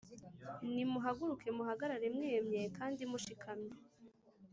Nimuhaguruke muhagarare mwemye kandi mushikamye